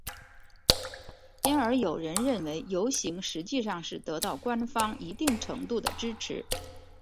因而有人认为游行实际上是得到官方一定程度的支持。